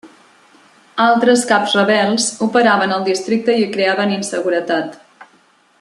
Altres caps rebels operaven al districte i creaven inseguretat.